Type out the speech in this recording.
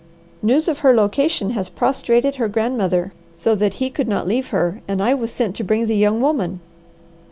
News of her location has prostrated her grandmother so that he could not leave her, and I was sent to bring the young woman."